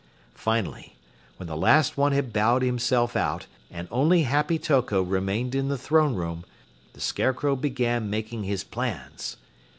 Finally, when the last one had bowed himself out and only Happy Toko remained in the throne room, the Scarecrow began making his plans.